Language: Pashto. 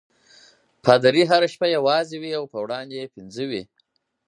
پادري هره شپه یوازې وي او په وړاندې یې پنځه وي.